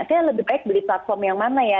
saya lebih baik beli platform yang mana ya